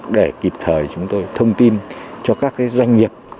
để kịp thời chúng tôi thông tin cho các doanh nghiệp